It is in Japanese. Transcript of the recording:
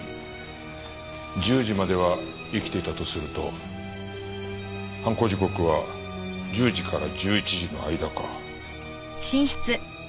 １０時までは生きていたとすると犯行時刻は１０時から１１時の間か。